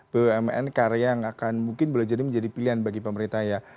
bumn karya yang akan mungkin boleh jadi menjadi pilihan bagi pemerintah ya